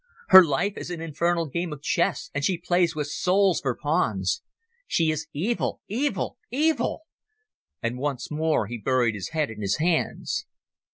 Her life is an infernal game of chess, and she plays with souls for pawns. She is evil—evil—evil." And once more he buried his head in his hands.